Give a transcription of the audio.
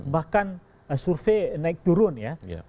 bahkan survei naik turun ya